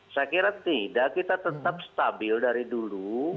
saya kira tidak kita tetap stabil dari dulu